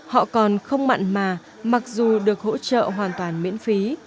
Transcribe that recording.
họ còn không mặn mà mặc dù được hỗ trợ hoàn toàn miễn phí